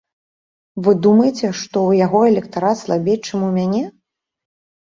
Вы думаеце, што, у яго электарат слабей, чым у мяне?